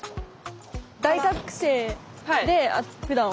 大学生でふだん？